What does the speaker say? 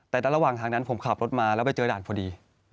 แต่ระหว่างทางนั้นผมขับรถมาแล้วไปเจอด่านพอดี